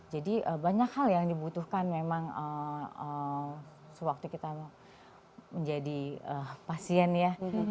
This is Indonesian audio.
jadi banyak hal yang dibutuhkan memang sewaktu kita menjadi pasien ya